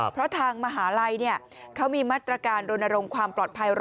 เพราะทางมหาลัยเนี่ยเขามีมาตรการโดนอารมณ์ความปลอดภัย๑๐๐